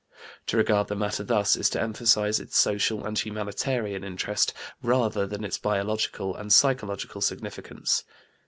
To regard the matter thus is to emphasize its social and humanitarian interest rather than its biological and psychological significance.